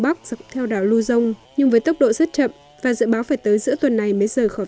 bắc dọc theo đảo luzon nhưng với tốc độ rất chậm và dự báo phải tới giữa tuần này mới rời khỏi